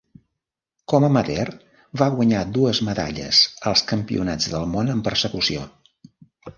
Com amateur, va guanyar dues medalles als Campionats del món en Persecució.